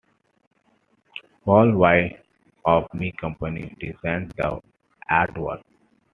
Paul White of "Me Company" designed the artwork.